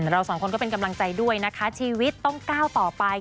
เราสองคนก็เป็นกำลังใจด้วยนะคะชีวิตต้องก้าวต่อไป